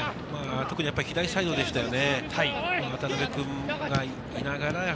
特に左サイドでしたよね。